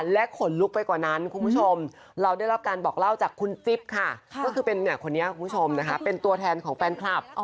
และขนลุกไปกว่านั้นคุณผู้ชมเราได้รับการบอกเล่าจากคุณจิ๊บค่ะก็คือเป็นคนนี้คุณผู้ชมนะคะเป็นตัวแทนของแฟนคลับ